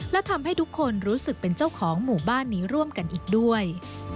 และทำให้ทุกคนรู้สึกเป็นเจ้าของหมู่บ้านนี้ร่วมกันอีกด้วย